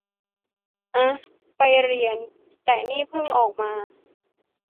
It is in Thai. อ่ะ ไปเรียน แต่นี่เพิ่งออกมา